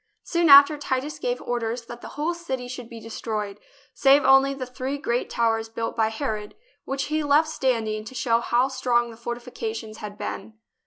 Soon after, Titus gave orders that the whole city should be destroyed, save only the three great towers built by Herod, which he left standing to show how strong the fortifications had been.